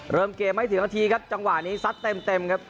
เริ่มเกมไม่ถึงนาทีครับจังหวะนี้ซัดเต็มครับ